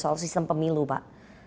soal sistem pemilu pak